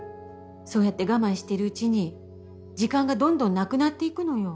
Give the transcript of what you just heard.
そうやって我慢してるうちに時間がどんどんなくなっていくのよ。